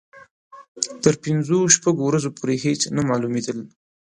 تر پنځو شپږو ورځو پورې هېڅ نه معلومېدل.